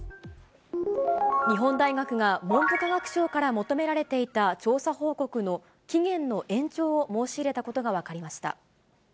日本大学が文部科学省から求められていた、調査報告の期限の延長を申し入れたことが分かりました。